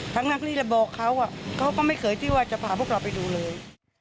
ทั้งนักรีระบอกเขาเขาก็ไม่เคยที่ว่าจะพาพวกเราไปดูเลย